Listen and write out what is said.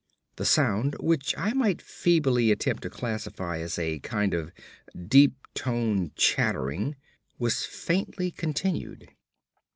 The sound, which I might feebly attempt to classify as a kind of deep tone chattering, was faintly continued.